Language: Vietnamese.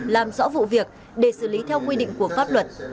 làm rõ vụ việc để xử lý theo quy định của pháp luật